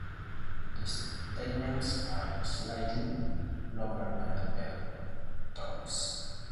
The stamens are slightly longer than the petals.